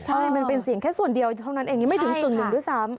ใช่มันเป็นเสียงแค่ส่วนเดียวเข้านั้นไม่ถึงส่วนหนึ่งด้วยซ้ำ